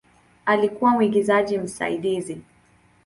Alikuwa mwigizaji msaidizi.